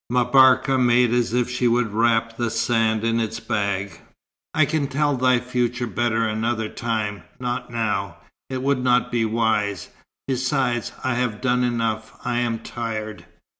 M'Barka made as if she would wrap the sand in its bag. "I can tell thy future better another time. Not now. It would not be wise. Besides, I have done enough. I am tired."